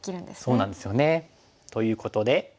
そうなんですよね。ということで。